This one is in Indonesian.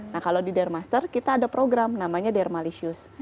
nah kalau di dermaster kita ada program namanya dermalisius